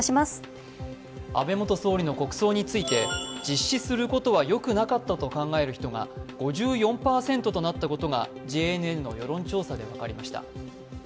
安倍元総理の国葬について、実施することはよくなかったと考える人が５４％となったことがＪＮＮの世論調査で分かりました。